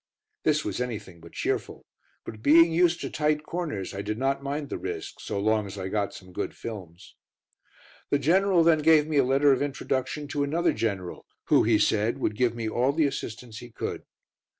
This was anything but cheerful, but being used to tight corners I did not mind the risk, so long as I got some good films. The General then gave me a letter of introduction to another general, who, he said, would give me all the assistance he could.